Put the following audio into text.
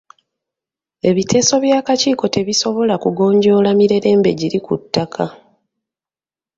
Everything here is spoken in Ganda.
Ebiteeso by'akakiiko tebisobola kugonjoola mirerembe giri ku ttaka.